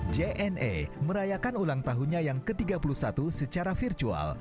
jna merayakan ulang tahunnya yang ke tiga puluh satu secara virtual